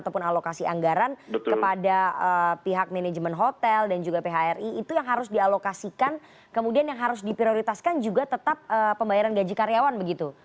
ataupun alokasi anggaran kepada pihak manajemen hotel dan juga phri itu yang harus dialokasikan kemudian yang harus diprioritaskan juga tetap pembayaran gaji karyawan begitu